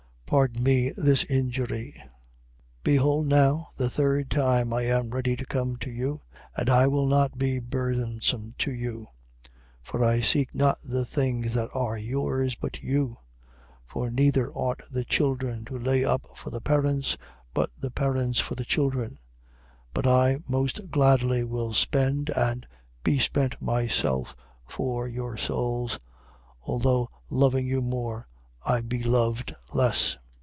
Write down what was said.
Pardon me this injury. 12:14. Behold now the third time I am ready to come to you and I will not be burthensome unto you. For I seek not the things that are yours, but you. For neither ought the children to lay up for the parents, but the parents for the children. 12:15. But I most gladly will spend and be spent myself for your souls: although loving you more, I be loved less.